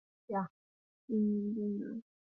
九十日币